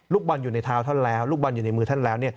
ลูกบอลอยู่ในเท้าท่านแล้วลูกบอลอยู่ในมือท่านแล้ว